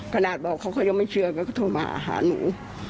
ขนาดบอกเขาเขายังไม่เชื่อก็โทรมาหาหนู